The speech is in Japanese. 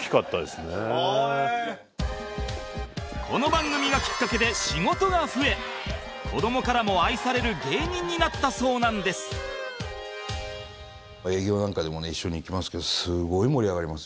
この番組がきっかけで仕事が増え子どもからも愛される芸人になったそうなんです